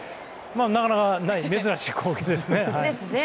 なかなかない珍しい光景ですね。